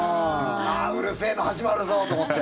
うるせえの始まるぞと思って。